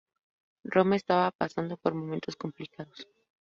Roma estaba pasando por momentos complicados.